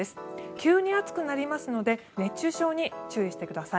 急に暑くなりますので熱中症に注意してください。